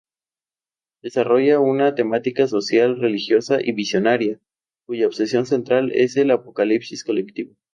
Desarrolla una temática social-religiosa y visionaria, cuya obsesión central es el apocalipsis colectivo.